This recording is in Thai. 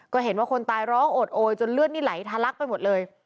ก็เห็นว่าคนตายร้องโอดโอยจนเลือดนี่ไหลทะลักไปหมดเลย